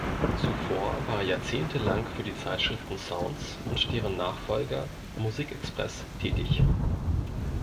Zuvor war er jahrzehntelang für die Zeitschriften Sounds und deren Nachfolger Musikexpress tätig.